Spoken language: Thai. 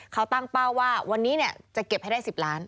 เขาตั้งเป้าว่าวันนี้จะเก็บให้ได้๑๐ล้าน